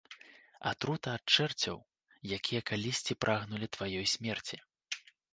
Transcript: Атрута ад чэрцяў, якія калісьці прагнулі тваёй смерці.